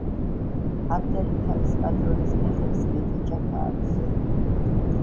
აბდალი თავის პატრონის ფეხებს მეტი ჯაფა აქვსო.